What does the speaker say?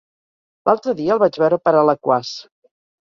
L'altre dia el vaig veure per Alaquàs.